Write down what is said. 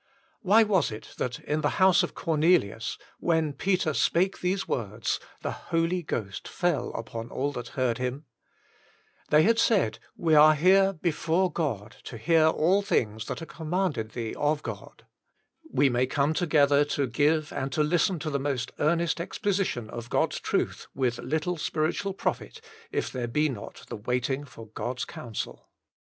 Why was it that in the house of Cornelius, when * Peter spake these words, the Holy Ghost fell upon all that heard him * t They had said, * "We are here before Ood to hear all things that are com manded thee of God* We may come together to give and to listen to the most earnest exposi tion of God's truth with little spiritual profit if there he not the waiting for God's counsel.